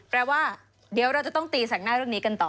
แปลว่าเดี๋ยวเราจะต้องตีแสกหน้าเรื่องนี้กันต่อ